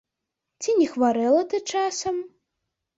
Ці не хварэла ты часам?